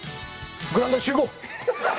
グラウンドに集合！